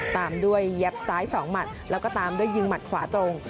ตามด้วยเย็บซ้าย๒หมัดแล้วก็ตามด้วยยิงหมัดขวาตรง